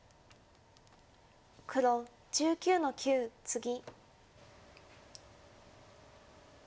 黒１９の九ツギ。